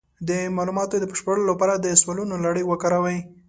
د معلوماتو د بشپړولو لپاره د سوالونو لړۍ وکاروئ.